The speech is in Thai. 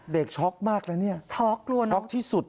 เด็กช็อคมากแล้วเนี้ยช็อคกลัวน้องช็อคที่สุด